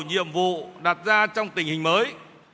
nhiệm vụ đặt ra trong tình hình mới